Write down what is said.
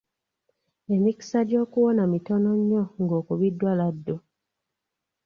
Emikisa gy'okuwona mitono nnyo ng'okubiddwa laddu.